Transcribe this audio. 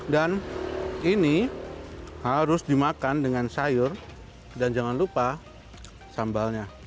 dan ini harus dimakan dengan sayur dan jangan lupa sambalnya